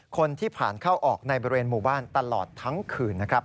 คนที่ผ่านเข้าออกในบริเวณหมู่บ้านตลอดทั้งคืนนะครับ